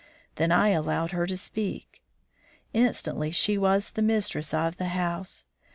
Then I allowed her to speak. Instantly she was the mistress of the house.